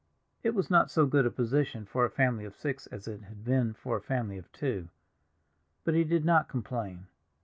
It was not so good a position for a family of six as it had been for a family of two, but he did not complain.